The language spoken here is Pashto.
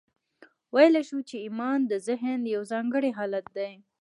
ویلای شو چې ایمان د ذهن یو ځانګړی حالت دی